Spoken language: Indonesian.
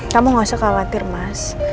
kamu gak usah khawatir mas